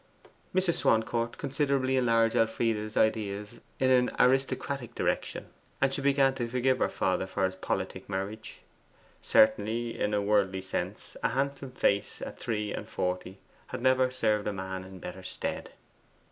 Mrs. Swancourt considerably enlarged Elfride's ideas in an aristocratic direction, and she began to forgive her father for his politic marriage. Certainly, in a worldly sense, a handsome face at three and forty had never served a man in better stead.